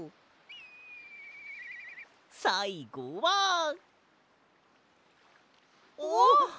さいごは。おっ！？